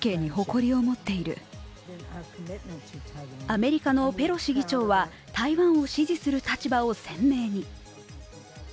アメリカのペロシ議長は台湾を支持する立場を鮮明に。